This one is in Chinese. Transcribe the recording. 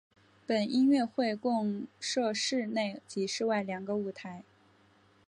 本音乐会共设室内及室外两个舞台。